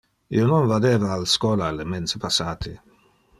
Io non vadeva al schola le mense passate.